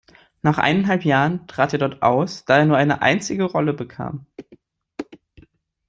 Nach eineinhalb Jahren trat er dort aus, da er nur eine einzige Rolle bekam.